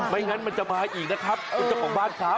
ไม่งั้นมันจะมาอีกนะครับคุณเจ้าของบ้านครับ